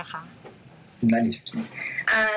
อาหารอิสคีย์